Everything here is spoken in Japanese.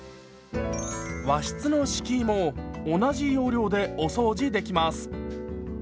和室の敷居も同じ要領でお掃除できます。